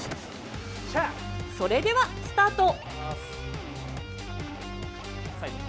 それではスタート！